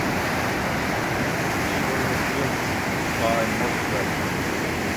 The cathedral was built by Most Rev.